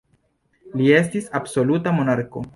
Li estis absoluta monarko.